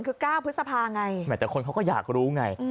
คือ๙พฤษภาไงแต่คนเขาก็อยากรู้ไง